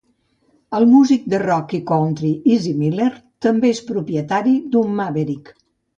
El músic de rock i country Izzy Miller també és propietari d'un Maverick.